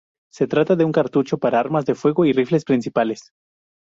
Se trata de un cartucho para armas de fuego, y rifles principales.